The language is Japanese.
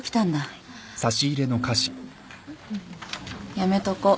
やめとこ。